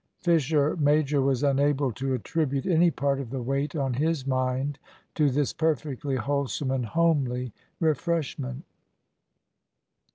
Fisher major was unable to attribute any part of the weight on his mind to this perfectly wholesome and homely refreshment.